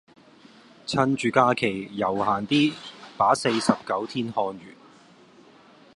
趁著假期悠閒的把四十九天看完